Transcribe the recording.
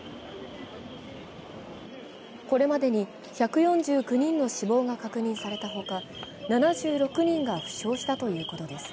これまでに１４９人の死亡が確認されたほか７６人が負傷したということです。